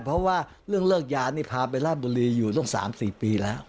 เพราะว่าเรื่องเลิกยานี่พาไปราชบุรีอยู่ตั้ง๓๔ปีแล้ว